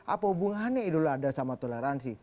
apa hubungannya idul adha sama toleransi